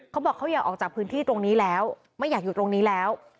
เขาบอกเขาอยากออกจากพื้นที่ตรงนี้แล้วไม่อยากอยู่ตรงนี้แล้ว